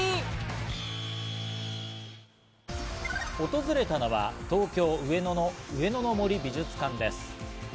訪れたのは東京・上野の上野の森美術館です。